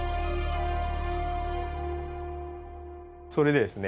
それでですね。